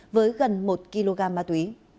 với gần một kg ma túy